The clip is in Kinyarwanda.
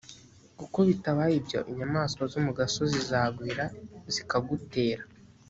kuko bitabaye ibyo, inyamaswa zo mu gasozi zagwira, zikagutera.